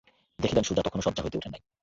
দেখিলেন, সুজা তখনো শয্যা হইতে উঠেন নাই।